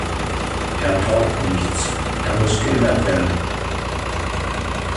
Er taugt nichts, er muss geändert werden.